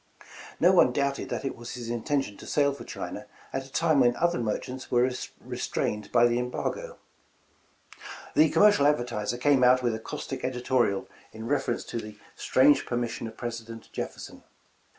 No one doubted that it was his intention to sail for China at a time when other merchants were restrained by the embargo. "The 'Commercial Advertiser' came out with a caustic editorial in reference to the 'strange permission of President Jefferson.'